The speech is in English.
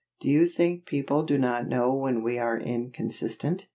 Do you think people do not know when we are inconsistent?